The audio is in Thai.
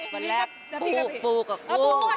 พอแล้วปูกับกู้